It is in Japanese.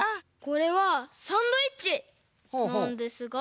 これはサンドイッチなんですが。